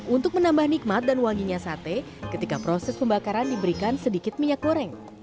untuk menambah nikmat dan wanginya sate ketika proses pembakaran diberikan sedikit minyak goreng